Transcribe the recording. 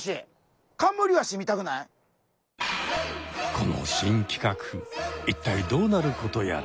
この新企画いったいどうなることやら。